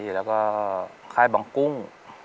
แล้วก็ค่ายบังกุ้ง